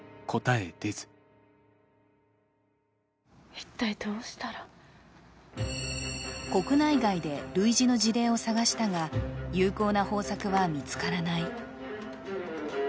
一体どうしたら国内外で類似の事例を探したが有効な方策は見つからない。